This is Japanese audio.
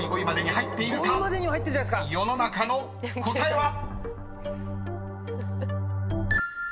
［世の中の答えは⁉］